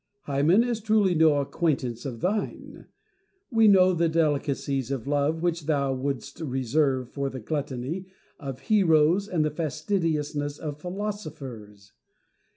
Hymen is truly no acquaintance of thine. We know the delicacies of love which thou wouldst reserve for the gluttony of heroes and the fastidiousness of philosophers.